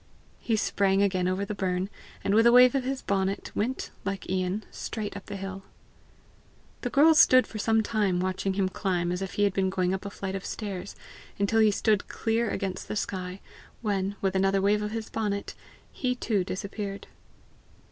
He sprang again over the burn, and with a wave of his bonnet, went, like Ian, straight up the hill. The girls stood for some time watching him climb as if he had been going up a flight of stairs, until he stood clear against the sky, when, with another wave of his bonnet, he too disappeared.